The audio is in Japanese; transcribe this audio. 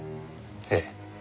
ええ。